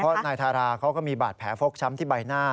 เพราะนายทาราเขาก็มีบาดแผลฟกช้ำที่ใบหน้า